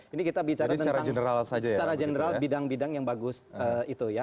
ini kita bicara tentang secara general bidang bidang yang bagus itu ya